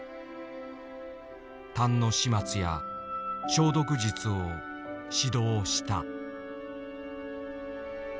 たんの始末や消毒術を指導した。